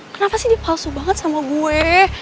kenapa sih dia palsu banget sama gue